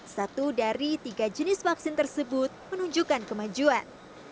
satu dari tiga jenis vaksin tersebut menunjukkan kemajuan